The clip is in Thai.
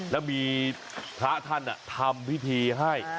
แล้วมีพระท่านทำพิธีให้